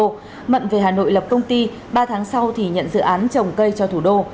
sau mận về hà nội lập công ty ba tháng sau thì nhận dự án trồng cây cho thủ đô